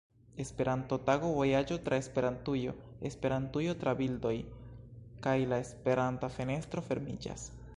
Esperanto-Tago, Vojaĝo tra Esperantujo, Esperantujo tra bildoj kaj La Esperanta fenestro fermiĝas.